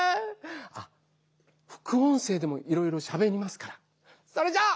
あっ副音声でもいろいろしゃべりますからそれじゃあ。